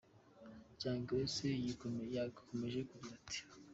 Young Grace yakomeje agira ati:.